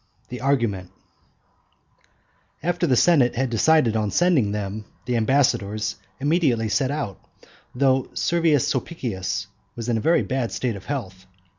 THE ARGUMENT After the senate had decided on sending them, the ambassadors immediately set out, though Servius Sulpicius was in a very bad state of health.